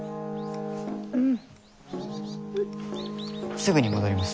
すぐに戻ります。